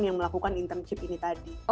yang melakukan internship ini tadi